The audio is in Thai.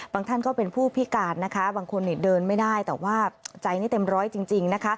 บางท่านก็เป็นผู้พิการบางคนเดินไม่ได้แต่ว่าใจเต็มร้อยจริง